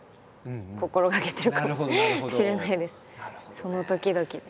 その時々で。